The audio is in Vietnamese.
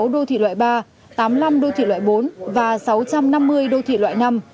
sáu đô thị loại ba tám mươi năm đô thị loại bốn và sáu trăm năm mươi đô thị loại năm